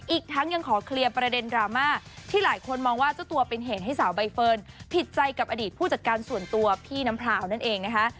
อีกทั้งยังขอเคลียร์ประเด็นดราม่าที่หลายคนมองว่าเจ้าตัวเป็นเหตุให้สาวใบเฟิร์นผิดใจกับอดีตผู้จัดการส่วนตัวพี่น้ำพราวนั่นเองนะคะ